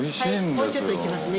もうちょっといきますね